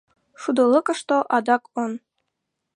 Шудылыкышто адак он.